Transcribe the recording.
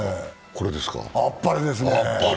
あっぱれですね！